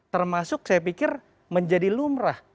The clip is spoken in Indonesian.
termasuk saya pikir menjadi lumrah